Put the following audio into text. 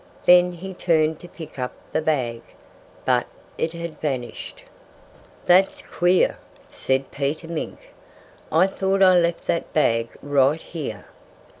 Then he turned to pick up the bag. But it had vanished. "That's queer!" said Peter Mink. "I thought I left that bag right here."